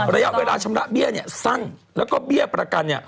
ระยะเวลาชำระเบี้ยสั้นแล้วก็เบี้ยประกัน